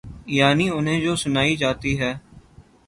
یعنی انہیں جو سنائی جاتی ہے۔